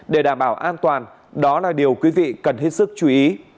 để đảm bảo an toàn đó là điều quý vị cần hết sức chú ý